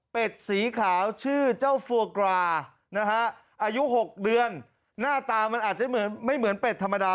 เป็นสีขาวชื่อเจ้าฟัวกรานะฮะอายุ๖เดือนหน้าตามันอาจจะเหมือนไม่เหมือนเป็ดธรรมดา